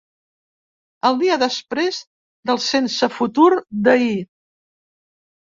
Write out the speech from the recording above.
El dia després del sense futur d’ahir.